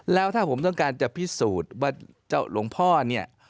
แล้วถ้าผมต้องการจะพิสูจน์ว่าเจ้าหลวงพ่อเนี่ย